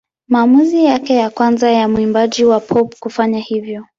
Maamuzi yake ya kwanza ya mwimbaji wa pop kufanya hivyo.